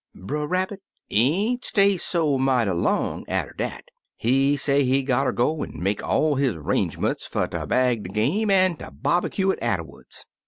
"Brer Rabbit ain't stay so mighty long atter dat ; he say he gotter go an* make all his 'rangements fer ter bag de game an* ter bobbycue it atterwuds.